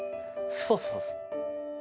そうそうそう。